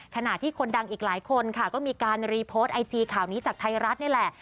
ขณะที่คนดังอีกหลายคนค่ะก็มีการรีโพสต์ไอจีข่าวนี้จากไทยรัฐนี่แหละ